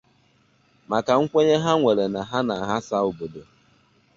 maka kwenye ha nwere na ha na-aghasa obodo.